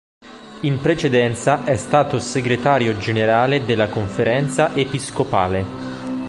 In precedenza è stato segretario generale della Conferenza episcopale.